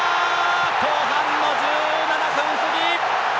後半の１７分過ぎ！